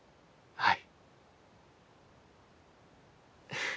はい。